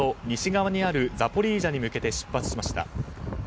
西側にあるザポリージャに向けて出発しました。